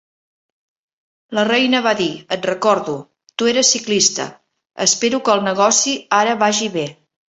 La reina va dir: "Et recordo. Tu eres ciclista. Espero que el negoci ara vagi bé".